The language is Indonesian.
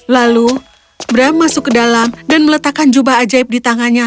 lalu bram masuk ke dalam dan meletakkan jubah ajaib di tangannya